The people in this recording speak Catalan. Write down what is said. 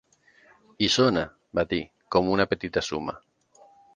"I sona", va dir, "com una petita suma".